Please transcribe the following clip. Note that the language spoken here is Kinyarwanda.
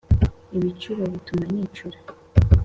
Ibicuro bituma nicura